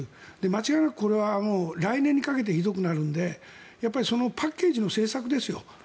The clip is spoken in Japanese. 間違いなく、これは来年にかけてひどくなるのでそのパッケージの政策ですよ。